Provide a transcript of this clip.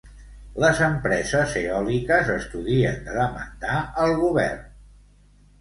Les empreses eòliques estudien de demandar el Govern.